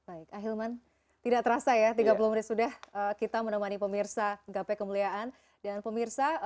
baik ahilman tidak terasa ya tiga puluh menit sudah kita menemani pemirsa gapai kemuliaan dan pemirsa